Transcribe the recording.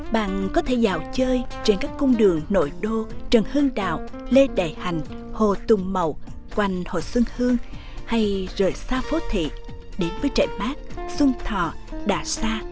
bạn có thể vào chơi trên các cung đường nội đô trần hương đạo lê đại hành hồ tùng mậu quanh hồ xuân hương hay rời xa phố thị đến với trại mát xuân thọ đà sa